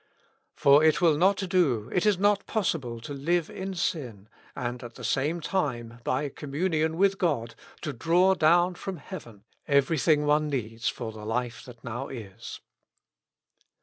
" For it will not do, it is not possible , to live in sin, and at the same time, by co7nmu7iion with God, to draw dow,i frotn heaven everything one needs for the life that 7iow is."